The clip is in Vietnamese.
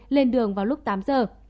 lên đường vào lúc tám giờ